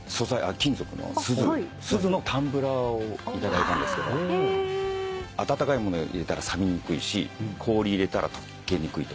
スズのタンブラーを頂いたんですけど温かいもの入れたら冷めにくいし氷入れたらとけにくいとか。